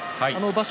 場所